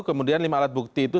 kemudian lima alat bukti itu